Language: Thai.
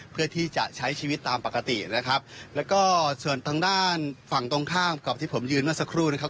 เพื่อที่จะใช้ชีวิตตามปกตินะครับแล้วก็ส่วนทางด้านฝั่งตรงข้ามกับที่ผมยืนเมื่อสักครู่นะครับ